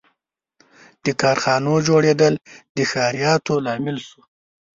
• د کارخانو جوړېدل د ښاریاتو لامل شو.